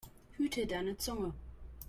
Hüte deine Zunge!